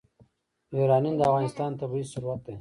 یورانیم د افغانستان طبعي ثروت دی.